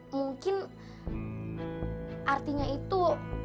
mungkin artinya itu